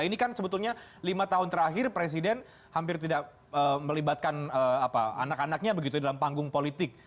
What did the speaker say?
ini kan sebetulnya lima tahun terakhir presiden hampir tidak melibatkan anak anaknya begitu dalam panggung politik